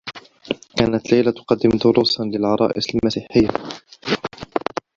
كانت ليلى تقدّم دروسا للعرائس المسيحيّة.